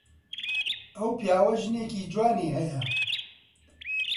ئەو پیاوە ژنێکی جوانی هەیە.